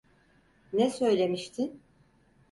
Ne söylemiştin?